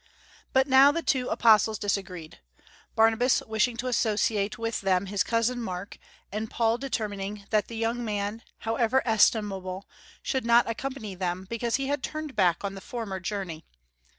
But now the two apostles disagreed, Barnabas wishing to associate with them his cousin Mark, and Paul determining that the young man, however estimable, should not accompany them, because he had turned back on the former journey.